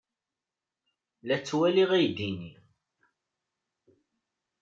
La ttwaliɣ aydi-nni.